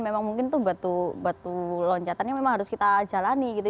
memang mungkin itu batu loncatan yang memang harus kita jalani gitu